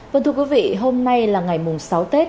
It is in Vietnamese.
vâng thưa quý vị hôm nay là ngày mùng sáu tết